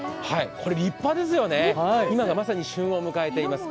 立派ですよね、今がまさに旬を迎えています。